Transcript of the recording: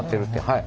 はい。